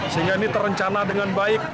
sehingga ini terencana dengan baik